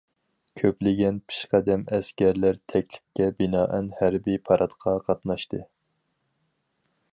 كۆپلىگەن پېشقەدەم ئەسكەرلەر تەكلىپكە بىنائەن ھەربىي پاراتقا قاتناشتى.